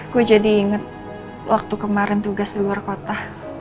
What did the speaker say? gue jadi inget waktu kemarin tugas di luar kota